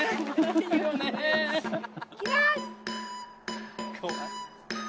いきます！